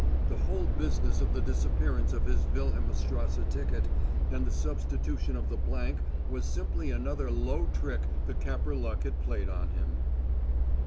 The whole business of the disappearance of his Wilhelmstrasse ticket and the substitution of the blank was simply another low trick the Capper luck had played on him.